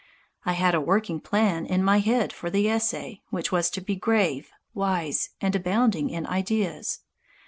I had a working plan in my head for the essay, which was to be grave, wise, and abounding in ideas.